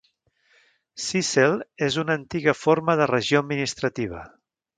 Syssel és una antiga forma de regió administrativa.